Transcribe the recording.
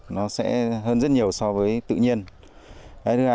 nó sẽ hơn rất nhiều